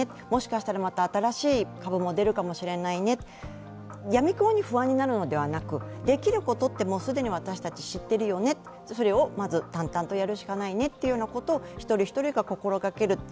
もしかしたら、また新しい株も出るかもしれないねとやみくもに不安になるのではなくできることって、もう私たち知っているよね、それをまず淡々とやるしかないねということを一人一人が心がける。